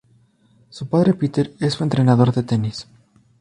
Su padre, Peter, es su entrenador de tenis.